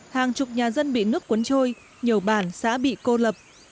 hàng chục nhà dân bị nước cuốn trôi nhiều bản xã bị cô lập